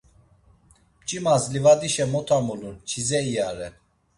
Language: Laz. Mç̌imas livadişe mot amulur, çize iyare.